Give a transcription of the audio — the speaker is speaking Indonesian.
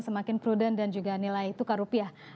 semakin prudent dan juga nilai tukar rupiah